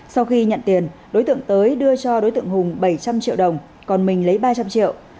sau khi nhận tiền đối tượng tới đưa cho đối tượng hùng bảy trăm linh triệu đồng còn mình lấy ba trăm linh triệu